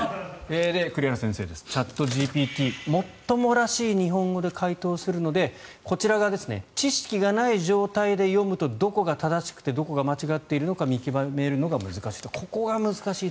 栗原先生です、チャットＧＰＴもっともらしい日本語で回答するのでこちらが知識がない状態で読むとどこが正しくてどこが間違っているか見極めるのが難しい。